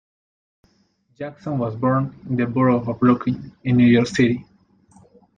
Jackson was born in the borough of Brooklyn in New York City.